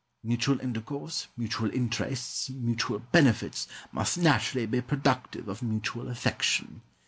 Mutual intercourse, mutual interests, mutual benefits, must naturally be productive of mutual affection.